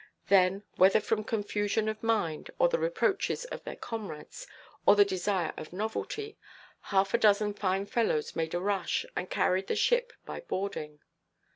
Then, whether from confusion of mind, or the reproaches of their comrades, or the desire of novelty, half a dozen fine fellows made a rush, and carried the ship by boarding.